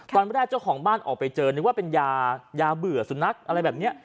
เจ้าของบ้านออกไปเจอนึกว่าเป็นยายาเบื่อสุนัขอะไรแบบนี้